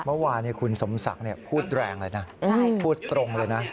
เมื่อวานคุณสมศักดิ์พูดแรงเลยนะพูดตรงเลยนะ